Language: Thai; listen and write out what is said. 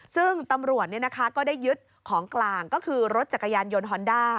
ซึ่งตำรวจก็ได้ยึดของกลางก็คือรถจักรยานยนต์ฮอนด้า